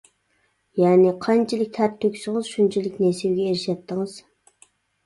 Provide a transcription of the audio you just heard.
يەنى قانچىلىك تەر تۆكسىڭىز شۇنچىلىك نېسىۋىگە ئېرىشەتتىڭىز.